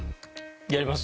やります？